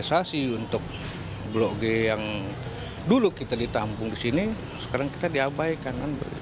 investasi untuk blok g yang dulu kita ditampung di sini sekarang kita diabaikan